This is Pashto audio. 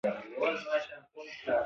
له موږ سره شريکې کړي